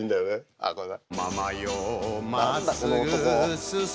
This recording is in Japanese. あっこれだ。